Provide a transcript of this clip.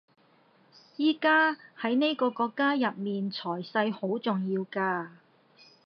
而家喺呢個國家入面財勢好重要㗎